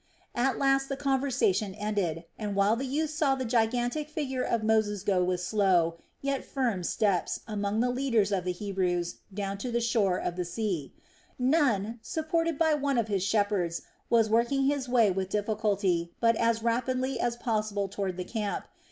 At last the conversation ended and while the youth saw the gigantic figure of Moses go with slow, yet firm steps among the leaders of the Hebrews down to the shore of the sea, Nun, supported by one of his shepherds, was working his way with difficulty, but as rapidly as possible toward the camp.